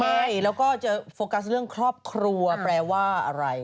ใช่แล้วก็จะโฟกัสเรื่องครอบครัวแปลว่าอะไร